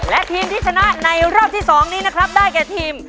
และทีมที่ชนะในรอบที่๒นี้นะครับได้แก่ทีม